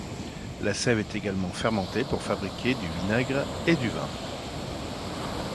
La sève est également fermentée pour fabriquer du vinaigre et du vin.